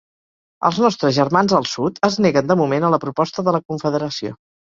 Els nostres germans al sud es neguen de moment a la proposta de la confederació.